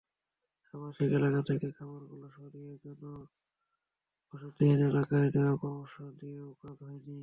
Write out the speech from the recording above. আবাসিক এলাকা থেকে খামারগুলো সরিয়ে জনবসতিহীন এলাকায় নেওয়ার পরামর্শ দিয়েও কাজ হয়নি।